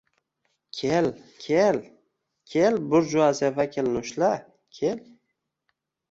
— Kel, kel! Kel, burjuaziya vakilini ushla! Kel